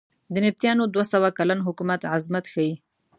د نبطیانو دوه سوه کلن حکومت عظمت ښیې.